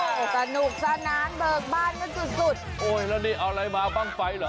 โอ้โหสนุกสนานเบิกบ้านกันสุดสุดโอ้ยแล้วนี่เอาอะไรมาบ้างไฟเหรอ